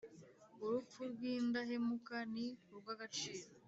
Urupfu rw indahemuka ni urw agaciro